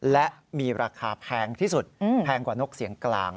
และมีราคาแพงที่สุดแพงกว่านกเสียงกลาง